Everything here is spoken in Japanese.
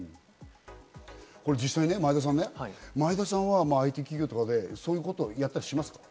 これ実際、前田さん、前田さんはＩＴ企業でそういうことをやったりしますか？